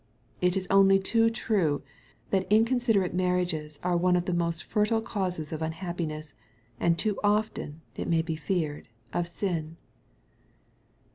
It is only too true, that inconsiderate marriages are one of the most fertile causes of unhappiness, and too often, it may be feared, of sin.